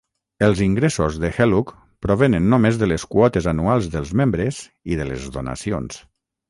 Els ingressos de Hellug provenen només de les quotes anuals dels membres i de les donacions.